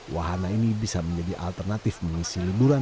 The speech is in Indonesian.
wahana ini bisa menjadi alternatif mengisi liburan